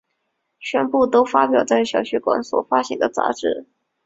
全部都发表在小学馆所发行的杂志。